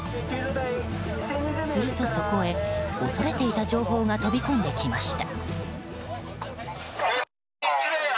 するとそこへ、恐れていた情報が飛び込んできました。